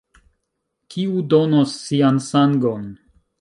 Kiu donos sian sangon?